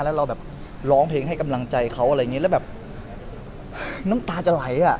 แล้วเราแบบร้องเพลงให้กำลังใจเขาอะไรอย่างเงี้แล้วแบบน้ำตาจะไหลอ่ะ